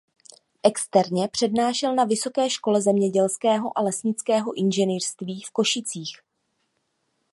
Externě přednášel na Vysoké škole zemědělského a lesnického inženýrství v Košicích.